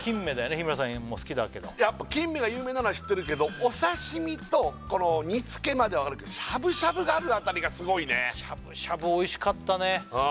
日村さんも好きだけどやっぱキンメが有名なのは知ってるけどお刺身とこの煮付けまではわかるけどしゃぶしゃぶがあるあたりがすごいねしゃぶしゃぶ美味しかったね